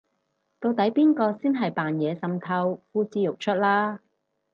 到底邊個先係扮嘢滲透呼之欲出啦